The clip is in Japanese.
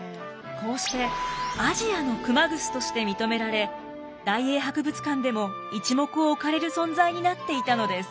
こうして「アジアの熊楠」として認められ大英博物館でも一目置かれる存在になっていたのです。